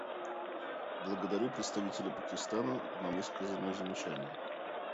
Благодарю представителя Пакистана на высказанные замечания.